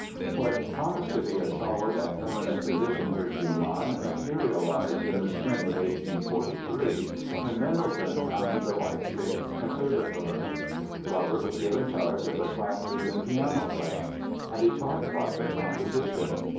What promised to be a solid and permanent position for Schumann materialized in the spring of 1843 when Mendelssohn founded the Leipzig Conservatory. Robert was given charge of the classes in piano playing; and he taught private composition.